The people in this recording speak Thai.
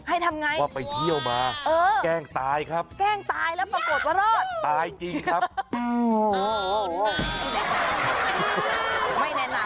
ไม่แนะนานที่แกล้งตายไม่ว่าจะเป็นสัตว์